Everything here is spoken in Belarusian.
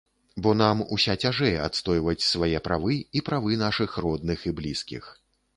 Бо нам ўся цяжэй адстойваць свае правы і правы нашых родных і блізкіх.